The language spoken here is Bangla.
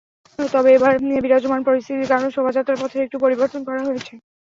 তবে এবার বিরাজমান পরিস্থিতির কারণে শোভাযাত্রার পথের একটু পরিবর্তন করা হয়েছে।